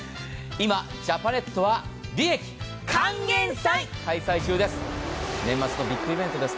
今、ジャパネットは利益還元債、開催中です。